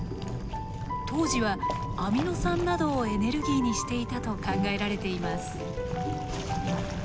当時はアミノ酸などをエネルギーにしていたと考えられています。